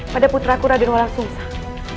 pada putraku raden wala sungsang